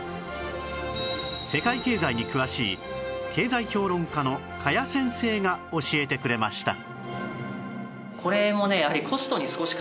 世界経済に詳しい経済評論家の加谷先生が教えてくれました